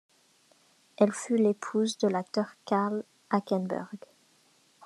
Elle fut l'épouse de l'acteur Karl Hackenberg.